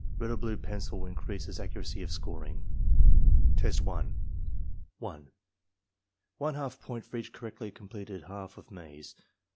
Red or blue pencil increases accuracy of scoring. Test 1 1. One half point for each correctly completed half of maze.